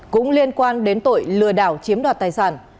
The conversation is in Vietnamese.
cũng liên quan đến tội lừa đảo chiếm đoạt tài sản